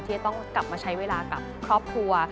ที่จะต้องกลับมาใช้เวลากับครอบครัว